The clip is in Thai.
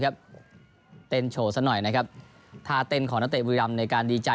เต้นโชว์ซะหน่อยนะครับท่าเต้นของนักเตะบุรีรำในการดีใจ